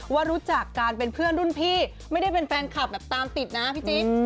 ว่ารู้จักการเป็นเพื่อนรุ่นพี่ไม่ได้เป็นแฟนคลับแบบตามติดนะพี่จิ๊ก